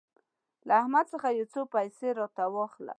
له احمد څخه يو څو پيسې راته واخله.